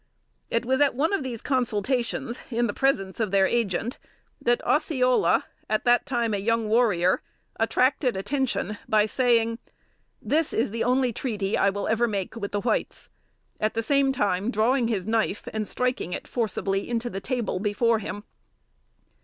It was at one of these consultations, in the presence of their Agent, that "Osceola," at that time a young warrior, attracted attention by saying, "this is the only treaty I will ever make with the whites," at the same time drawing his knife and striking it forcibly into the table before him.